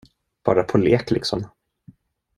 Bara på lek liksom.